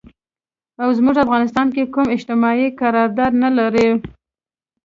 او مونږ افغانستان کې کوم اجتماعي قرارداد نه لرو